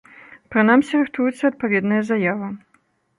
Прынамсі, рыхтуецца адпаведная заява.